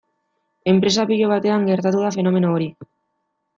Enpresa pilo batean gertatu da fenomeno hori.